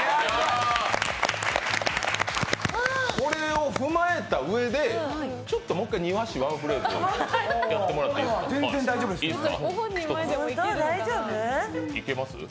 これを踏まえたうえでちょっともう一回「庭師」、ワンフレーズやっていただいていいですか。